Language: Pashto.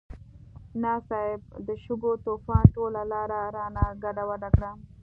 نه صيب، د شګو طوفان ټوله لاره رانه ګډوډه کړه.